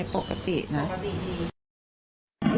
ปกติดี